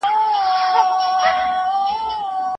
تاسو مڼې خورئ.